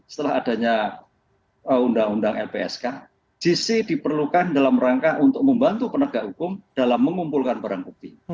setelah adanya undang undang lpsk jc diperlukan dalam rangka untuk membantu penegak hukum dalam mengumpulkan barang bukti